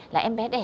là em bé đẻ